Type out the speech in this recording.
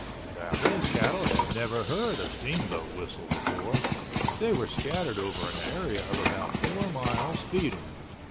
Now those cattle had never heard a steamboat whistle before. They were scattered over an area of about four miles feeding.